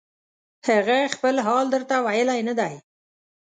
هغه خپل حال درته ویلی نه دی